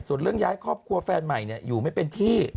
ส่วนเรื่องย้ายครอบครัวแฟนใหม่อยู่ไม่เป็นที่